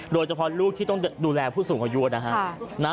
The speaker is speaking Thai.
โดยเฉพาะลูกที่ต้องดูแลผู้สูงอายุนะฮะ